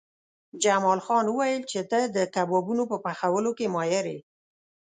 جمال خان وویل چې ته د کبابونو په پخولو کې ماهر یې